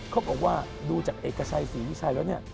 เขาบอกว่าดูจากเอกชัยศรีวิชัยแล้วเนี่ย